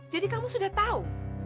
jadi kamu sudah tahu